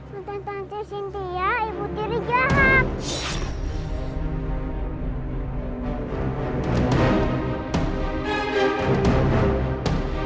tentang tentang si sintia ibu tiri jahat